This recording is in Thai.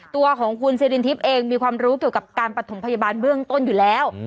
ตัวของคุณสิรินทิพย์เองมีความรู้เกี่ยวกับการปฐมพยาบาลเบื้องต้นอยู่แล้ว